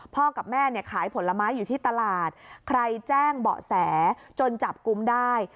กับแม่เนี่ยขายผลไม้อยู่ที่ตลาดใครแจ้งเบาะแสจนจับกุมได้